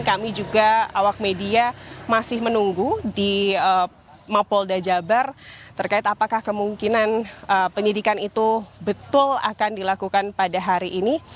kami juga awak media masih menunggu di mapolda jabar terkait apakah kemungkinan penyidikan itu betul akan dilakukan pada hari ini